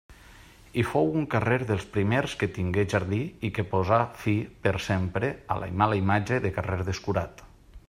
I fou un carrer dels primers que tingué jardí i que posà fi per sempre a la mala imatge de carrer descurat.